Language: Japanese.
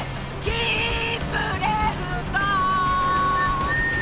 キープレフトー！！